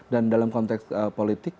dan dalam konteks politik